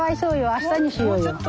明日にしようよ。